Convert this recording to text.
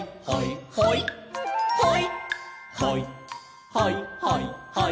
「ほいほいほいほいほい」